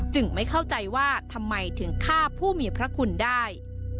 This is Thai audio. ไม่เข้าใจว่าทำไมถึงฆ่าผู้มีพระคุณได้